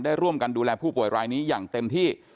ได้ร่วมกันดูแลผู้ป่วยรายนี้อย่างเต็มที่